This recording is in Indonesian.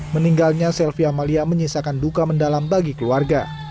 meninggalnya selvi amalia menyisakan duka mendalam bagi keluarga